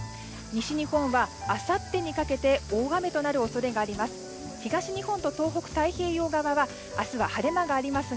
西日本はあさってにかけて大雨となる恐れがあります。